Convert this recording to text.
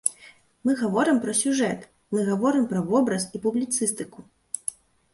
Мы гаворым пра сюжэт, мы гаворым пра вобраз і публіцыстыку.